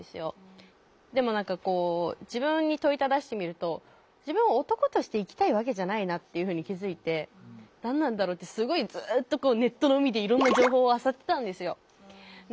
でも何かこう自分に問いただしてみると自分は男として生きたいわけじゃないなっていうふうに気付いて何なんだろうってすごいずっとネットの海でいろんな情報をあさってたんですよ。